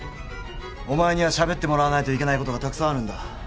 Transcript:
お前にはしゃべってもらわないといけないことがたくさんあるんだ。